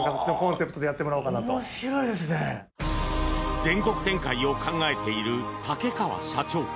全国展開を考えている竹川社長。